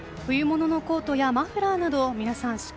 冬物のコートやマフラーなど皆さん